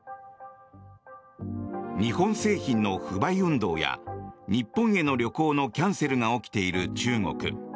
日本製品の不買運動や日本への旅行のキャンセルが起きている中国。